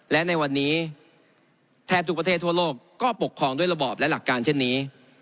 และในวันนี้แทบทุกประเทศทั่วโลกก็ปกครองด้วยระบอบและหลักการเช่นนี้